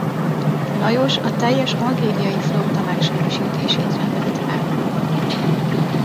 Lajos a teljes algériai flotta megsemmisítését rendelte el.